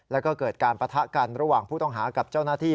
แล้วก็เกิดการปะทะกันระหว่างผู้ต้องหากับเจ้าหน้าที่